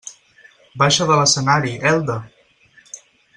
Baixa de l'escenari, Elda!